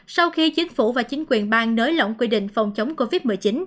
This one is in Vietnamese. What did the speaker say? sau khi chính phủ và chính quyền bang nới lỏng quy định phòng chống covid một mươi chín